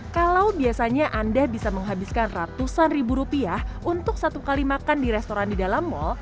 kalau biasanya anda bisa menghabiskan ratusan ribu rupiah untuk satu kali makan di restoran di dalam mal